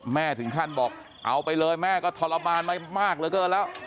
ถึงขั้นบอกเอาไปเลยแม่ก็ทรมานมามากเหลือเกินแล้ว